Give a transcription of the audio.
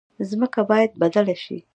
ځمکه باید بدله شي.